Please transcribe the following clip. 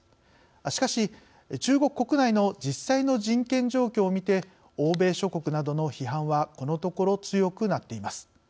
しかし中国国内の実際の人権状況を見て欧米諸国などの批判はこのところ強くなっています。